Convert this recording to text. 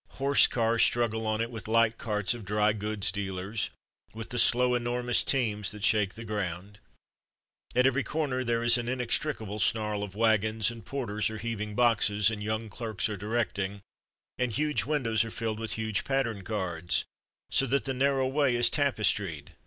Horse cars struggle on it with light carts of dry goods dealers, with the slow, enormous teams that shake the ground. At every corner there is an inextricable snarl of wagons, and porters are heaving boxes, and young clerks are directing, and huge windows are filled with huge pattern cards, so that the narrow way is tapes tried.